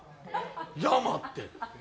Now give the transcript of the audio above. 山って。